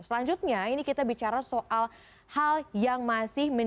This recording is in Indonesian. selanjutnya ini kita bicara soal hal yang masih menjadi